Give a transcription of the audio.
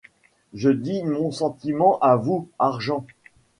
Je dis mon sentiment, à vous, argent.